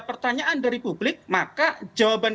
pertanyaan dari publik maka jawaban